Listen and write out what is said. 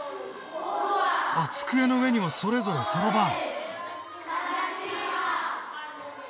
あ机の上にもそれぞれそろばん。